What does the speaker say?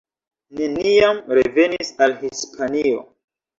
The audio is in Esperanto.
Neniam revenis al Hispanio.